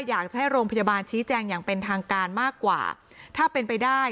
อยากจะให้โรงพยาบาลชี้แจงอย่างเป็นทางการมากกว่าถ้าเป็นไปได้